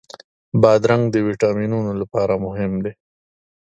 بادرنګ د ویټامینونو لپاره مهم دی.